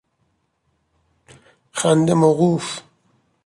خنده موقوف!